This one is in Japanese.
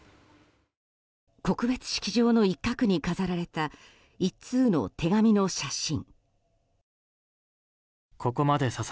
告別式場の一角に飾られた１通の手紙の写真。